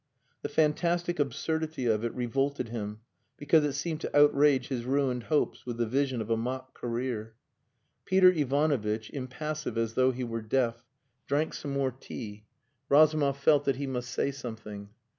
The fantastic absurdity of it revolted him because it seemed to outrage his ruined hopes with the vision of a mock career. Peter Ivanovitch, impassive as though he were deaf, drank some more tea. Razumov felt that he must say something.